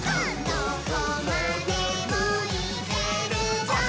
「どこまでもいけるぞ！」